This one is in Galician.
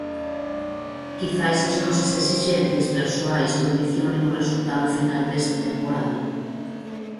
Quizais as nosas esixencias persoais condicionen o resultado final desta temporada.